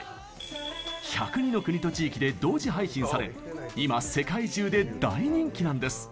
１０２の国と地域で同時配信され今世界中で大人気なんです。